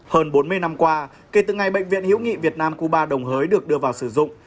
hơn bốn mươi năm qua kể từ ngày bệnh viện hữu nghị việt nam cuba đồng hới được đưa vào sử dụng